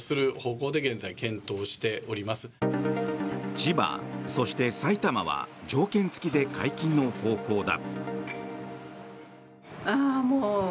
千葉、そして埼玉は条件付きで解禁の方向だ。